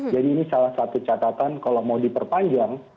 jadi ini salah satu catatan kalau mau diperpanjang